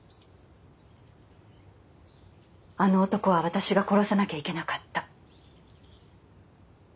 あの男は私が殺さなきゃいけなかった。